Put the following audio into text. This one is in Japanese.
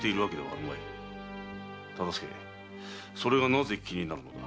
忠相それがなぜ気になるのだ？